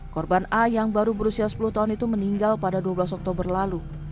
korban a yang baru berusia sepuluh tahun itu meninggal pada dua belas oktober lalu